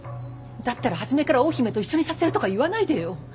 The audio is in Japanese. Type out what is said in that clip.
だったら初めから大姫と一緒にさせるとか言わないでよ。